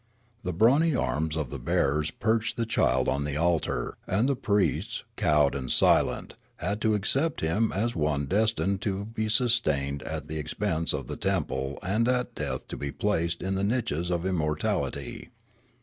The brawny arms of the bearers perched the child on the altar, and the priests, cowed and silent, had to accept him as one destined to be sustained at the ex pense of the temple and at death to be placed in the niches of immortalit}'.